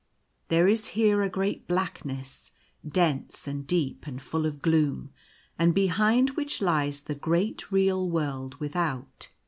There is here a great blackness, dense and deep, and full of gloom, and behind which lies the great real world without.